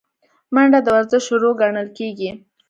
منډه د ورزش شروع ګڼل کېږي